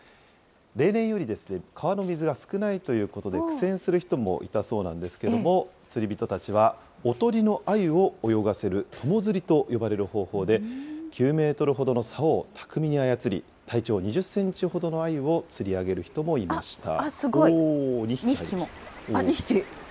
例年より川の水が少ないということで、苦戦する人もいたそうなんですけども、釣り人たちは、おとりのあゆを泳がせる友釣りと呼ばれる方法で、９メートルほどのさおを巧みに操り、体長２０センチほどのあゆを釣り上げる人もいました。